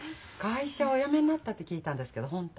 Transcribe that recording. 会社お辞めになったって聞いたんですけど本当？